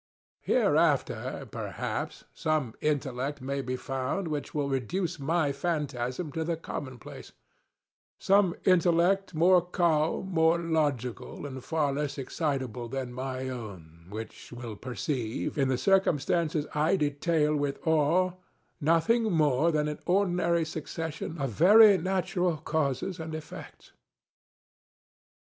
Hereafter, perhaps, some intellect may be found which will reduce my phantasm to the common placeŌĆösome intellect more calm, more logical, and far less excitable than my own, which will perceive, in the circumstances I detail with awe, nothing more than an ordinary succession of very natural causes and effects.